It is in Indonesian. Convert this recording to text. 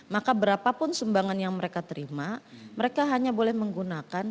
maka berapapun sumbangan yang mereka terima mereka hanya boleh menggunakan